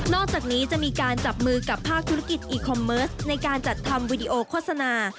อกจากนี้จะมีการจับมือกับภาคธุรกิจอีคอมเมิร์สในการจัดทำวีดีโอโฆษณา